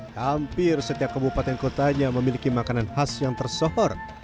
hampir setiap kabupaten kotanya memiliki makanan khas yang tersohor